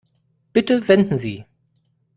Bitte wenden Sie.